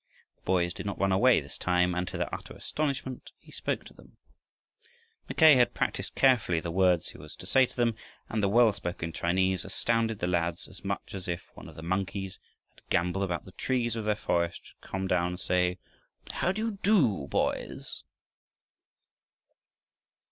The boys did not run away this time, and to their utter astonishment he spoke to them. Mackay had practised carefully the words he was to say to them, and the well spoken Chinese astounded the lads as much as if one of the monkeys that gamboled about the trees of their forests should come down and say, "How do you do, boys?"